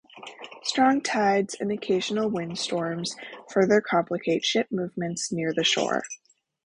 Strong tides and occasional windstorms further complicate ship movements near the shore.